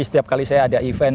setiap kali saya ada event